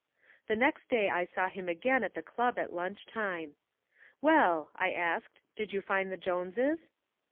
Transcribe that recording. The next day I saw him again at the club at lunch time. "Well," I asked, "did you find the Joneses?"